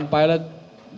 ketika pelan lain